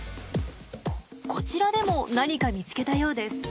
こちらでも何か見つけたようです。